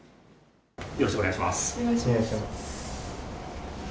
よろしくお願いします。